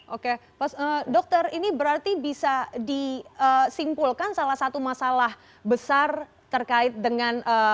oke dokter ini berarti bisa disimpulkan salah satu masalah besar terkait dengan